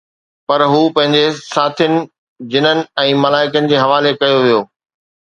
پر هو پنهنجي ساٿين، جنن ۽ ملائڪن جي حوالي ڪيو ويو